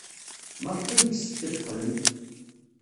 Maɣef ay yessefk ad qqlen?